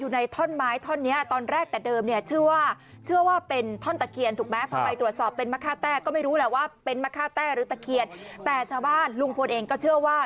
อยู่ในท่อนไม้ตอนเนี้ยตอนแรกแต่เดิมเนี่ยเชื่อว่า